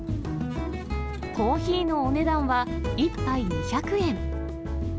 コーヒーのお値段は１杯２００円。